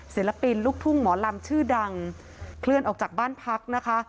ศิลปินลูกทุ่งหมอลำชื่อดังเคลื่อนออกจากบ้านพักนะคะ